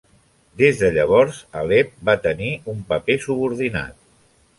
Des de llavors Alep va tenir un paper subordinat.